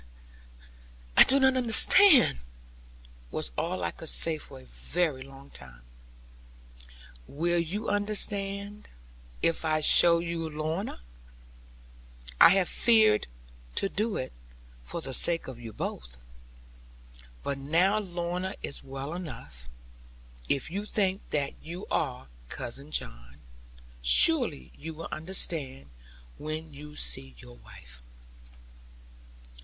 'I do not understand,' was all I could say for a very long time. 'Will you understand, if I show you Lorna? I have feared to do it, for the sake of you both. But now Lorna is well enough, if you think that you are, Cousin John. Surely you will understand, when you see your wife.'